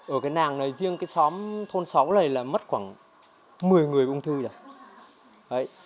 ở cái làng này riêng cái xóm thôn xóm này là mất khoảng một mươi người ung thư rồi